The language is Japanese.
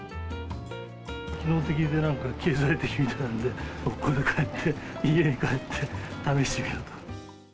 機能的でなんか経済的みたいなんで、これ買って、家に帰って試してみる。